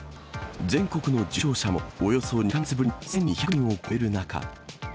全国の重症者も、およそ２か月ぶりに１２００人を超える中。